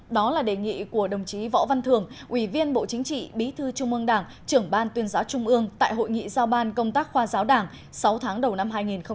đó là đề nghị của đồng chí võ văn thường ủy viên bộ chính trị bí thư trung ương đảng trưởng ban tuyên giáo trung ương tại hội nghị giao ban công tác khoa giáo đảng sáu tháng đầu năm hai nghìn một mươi chín